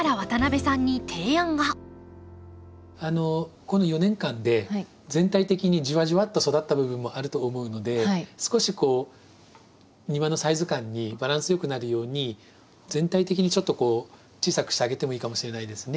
この４年間で全体的にじわじわっと育った部分もあると思うので少しこう庭のサイズ感にバランスよくなるように全体的にちょっと小さくしてあげてもいいかもしれないですね。